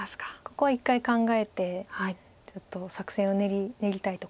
ここは一回考えてちょっと作戦を練りたいところですよね。